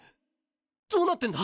どうなってんだ？